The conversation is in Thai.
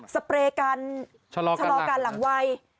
สเปรย์ฯการชะลอการหลั่งไว